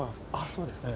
そうですか。